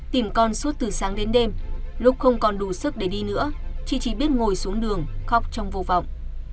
tìm con suốt từ sáng đến đêm lúc không còn đủ sức để đi nữa chị chỉ biết ngồi xuống đường khóc trong vô vọng